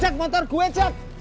cek mantar gue cek